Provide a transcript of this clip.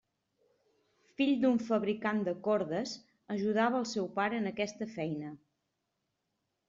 Fill d'un fabricant de cordes, ajudava al seu pare en aquesta feina.